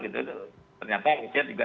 ternyata rusia juga